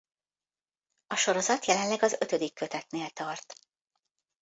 A sorozat jelenleg az ötödik kötetnél tart.